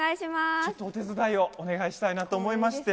ちょっとお手伝いをお願いしたいなと思いまして。